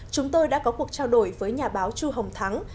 chúng tôi đã có cuộc trao đổi với nhà báo chu hồng thắng